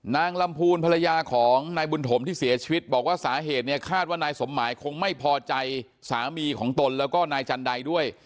นางลำพูนภรรยาของนายบุญถมที่เสียชีวิตบอกว่าสาเหตุเนี่ยคาดว่านายสมหมายคงไม่พอใจสามีของตนแล้วก็นายจันไดด้วย